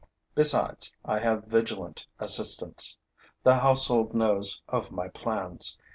Besides, I have vigilant assistants. The household knows of my plans.